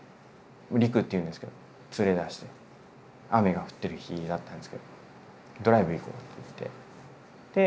稜空っていうんですけど連れ出して雨が降ってる日だったんですけど「ドライブ行こう」って言って。